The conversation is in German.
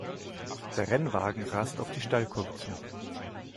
Der Rennwagen rast auf die Steilkurve zu.